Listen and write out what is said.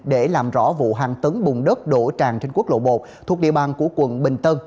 để làm rõ vụ hàng tấn bùn đất đổ tràn trên quốc lộ một thuộc địa bàn của quận bình tân